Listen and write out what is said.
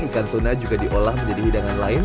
ikan tuna juga diolah menjadi hidangan lain